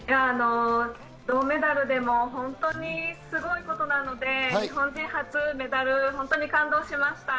銅メダルでも本当にすごいことなので日本人初メダル、本当に感動しました。